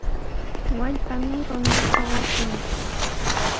Wallpami runtuta watran.